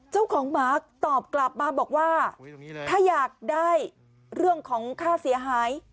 เจ้าของหมาตอบกลับมาบอกว่าถ้าอยากได้เรื่องของค่าเสียหาย